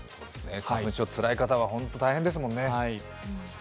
花粉症、つらい方はホント大変ですもんね。